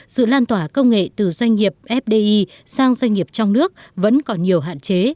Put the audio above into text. sự lan tỏa công nghệ từ doanh nghiệp fdi sang doanh nghiệp trong nước vẫn còn nhiều hạn chế